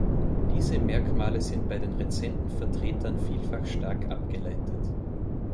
Diese Merkmale sind bei den rezenten Vertretern vielfach stark abgeleitet.